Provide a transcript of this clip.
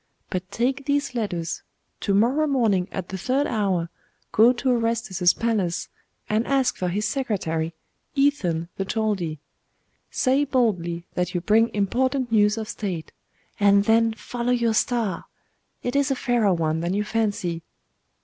But take these letters; to morrow morning at the third hour go to Orestes's palace, and ask for his secretary, Ethan the Chaldee. Say boldly that you bring important news of state; and then follow your star: it is a fairer one than you fancy.